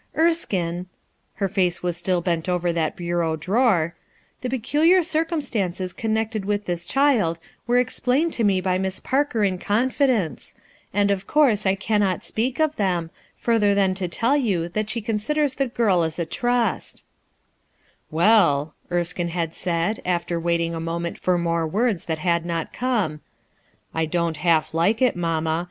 "Erskine," — her face was still bent over that bureau drawer — "the peculiar circumstances connected with this child were explained to mc by Miss Parker in confidence, and of course I cannot speak of them; further than to tell you that she considers the girl as a trust/" 258 RUTH ERSKINE'S SON "Well/' Erskine had said, after waiting a moment for more words that had not conic "I don't half like it f mamma.